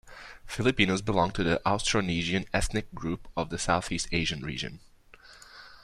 Filipinos belong to the Austronesian ethnic group of the Southeast Asian region.